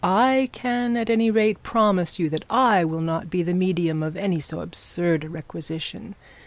I can at any rate promise you that I will not be the medium of any so absurd a requisition.